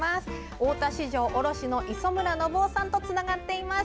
大田市場卸の磯村信夫さんとつながっています。